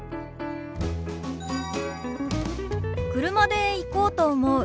車で行こうと思う。